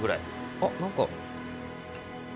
あっ何か。